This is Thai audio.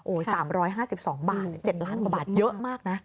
๓๕๒บาท๗ล้านกว่าบาทเยอะมากนะ